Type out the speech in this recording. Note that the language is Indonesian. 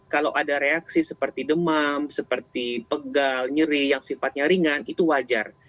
kalau ada reaksi seperti demam seperti pegal nyeri yang sifatnya ringan itu wajar